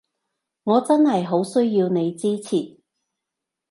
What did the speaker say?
我真係好需要你支持